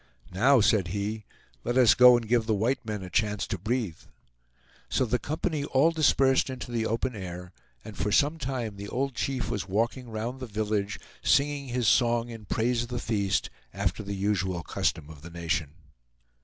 "Now," said he, "let us go and give the white men a chance to breathe." So the company all dispersed into the open air, and for some time the old chief was walking round the village, singing his song in praise of the feast, after the usual custom of the nation.